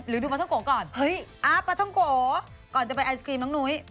หรือดูปะท้องโกก่อนเฮ้ยปะท้องโกก่อนจะไปไอศกรีมน้องหนุ๊ย